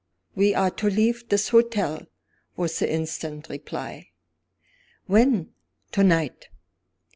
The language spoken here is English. "We are to leave this hotel," was the instant reply. "When?" "To night."